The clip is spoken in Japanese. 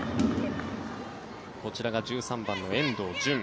こちらが１３番の遠藤純。